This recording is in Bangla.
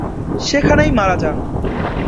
সেখানেই মারা যান।